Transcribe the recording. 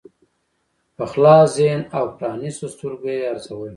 په خلاص ذهن او پرانیستو سترګو یې ارزول.